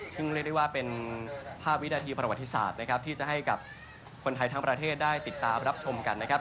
ซึ่งเรียกได้ว่าเป็นภาพวินาทีประวัติศาสตร์นะครับที่จะให้กับคนไทยทั้งประเทศได้ติดตามรับชมกันนะครับ